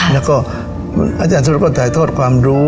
แล้วก็อาจารย์สารวจนาคาวิโรธถ่ายโทษความรู้